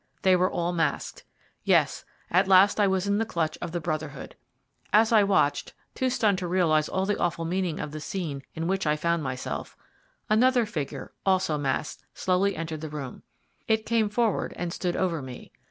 They were all masked. Yes, at last I was in the clutch of the Brotherhood. As I watched, too stunned to realize all the awful meaning of the scene in which I found myself, another figure also masked slowly entered the room. It came forward and stood over me.